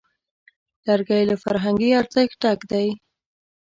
لرګی له فرهنګي ارزښت ډک دی.